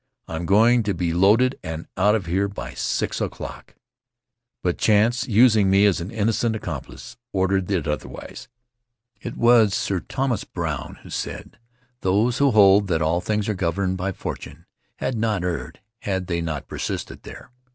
I'm going to be loaded and out of here by six o'clock." 9 Faery Lands of the South Seas But chance, using me as an innocent accomplice, ordered it otherwise. It was Sir Thomas Browne who said, "Those who hold that all things are governed by fortune had not erred had they not persisted there."